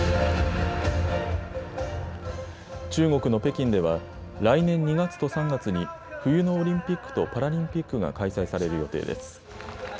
中国の北京では、来年２月と３月に、冬のオリンピックとパラリンピックが開催される予定です。